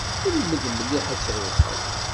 Lmed mliḥ ad trebḥeḍ.